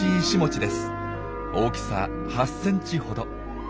大きさ８ｃｍほど。